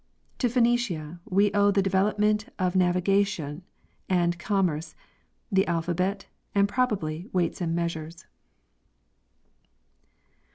To Phenecia we owe the development of navigation and com merce, the alphabet and, probably, weights and measures.